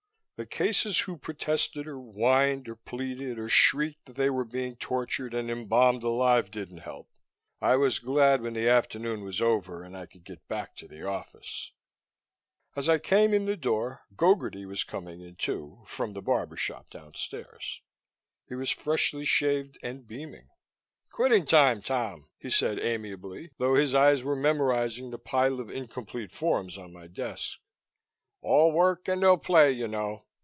The cases who protested or whined or pleaded or shrieked that they were being tortured and embalmed alive didn't help. I was glad when the afternoon was over and I could get back to the office. As I came in the door, Gogarty was coming in, too, from the barbershop downstairs. He was freshly shaved and beaming. "Quitting time, Tom," he said amiably, though his eyes were memorizing the pile of incomplete forms on my desk. "All work and no play, you know."